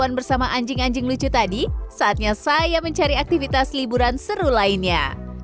makan bersama anjing anjing lucu tadi saatnya saya mencari aktivitas liburan seru lainnya